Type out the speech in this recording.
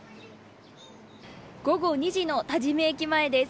午後２時の多治見駅前です。